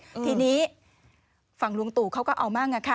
ทีนี้ฝั่งลุงตู่เขาก็เอามั่งอ่ะค่ะ